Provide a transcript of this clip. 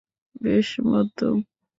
বেশ, বাদ দাও।